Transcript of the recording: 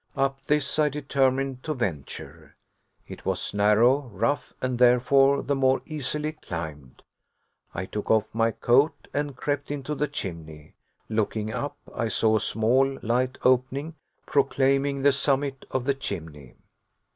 Up this I determined to venture. It was narrow, rough, and therefore the more easily climbed. I took off my coat and crept into the chimney. Looking up, I saw a small, light opening, proclaiming the summit of the chimney.